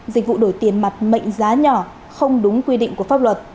dịch vụ đổi tiền mặt mệnh giá nhỏ không đúng quy định của pháp luật